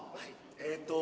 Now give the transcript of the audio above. えーっと